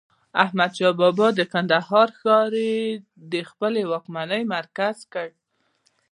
احمدشاه بابا د کندهار ښار يي د خپلې واکمنۍ مرکز کړ.